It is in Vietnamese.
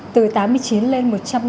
từ tám mươi chín lên một trăm năm mươi